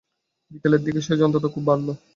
বিকেলের দিকে সেই যন্ত্রণা খুব বাড়ল।